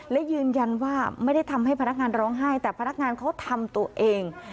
และยืนยันว่าไม่ได้ทำให้พนักงานร้องไห้แต่พนักงานเขาทำตัวเอง